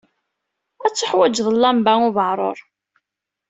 Ad tuḥwaǧeḍ llamba ubeɛṛur.